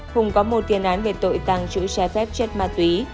hùng có một tiền án về tội tàng trữ trái phép chất ma túy